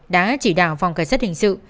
đã chỉ đạo phòng cảnh sát hình sự